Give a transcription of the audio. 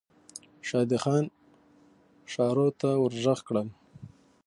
شادي خان ښارو ته ور ږغ کړل.